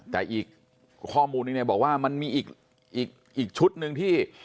แต่อีกข้อมูลนึงเนี่ยบอกว่ามันมีอีกชุดหนึ่งที่